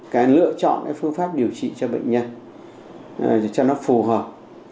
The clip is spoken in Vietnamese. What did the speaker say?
cái lựa chọn cái phương pháp điều trị cho bệnh nhân cho nó phù hợp